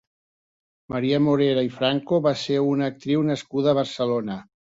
Maria Morera i Franco va ser una actriu nascuda a Barcelona.